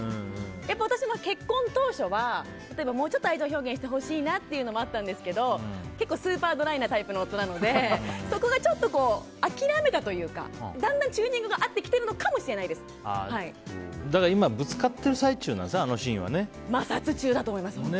私も結婚当初はもうちょっと愛情表現してほしいなっていうのもあったんですけど結構、スーパードライなタイプの夫なのでそこがちょっと諦めたというかだんだん、チューニングが今、ぶつかってる摩擦中だと思います。